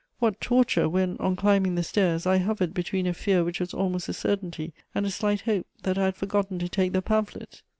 What torture when, on climbing the stairs, I hovered between a fear which was almost a certainty and a slight hope that I had forgotten to take the pamphlet!